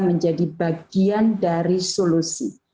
menjadi bagian dari solusi